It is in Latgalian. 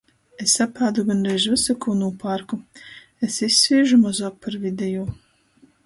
Es apādu gondreiž vysu, kū nūpārku. Es izsvīžu mozuok par videjū.